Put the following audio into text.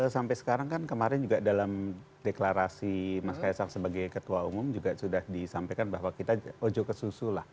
sampai sekarang kan kemarin juga dalam deklarasi mas kaisang sebagai ketua umum juga sudah disampaikan bahwa kita ojo ke susu lah